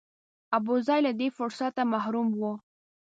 ابوزید له دې فرصته محروم و.